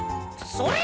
それ。